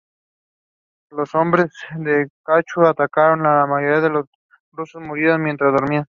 Los hombres de Kuchum atacaron y la mayoría de los rusos murieron mientras dormían.